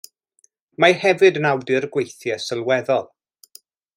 Mae hefyd yn awdur gweithiau sylweddol.